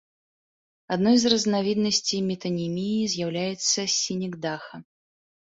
Адной з разнавіднасцей метаніміі з'яўляецца сінекдаха.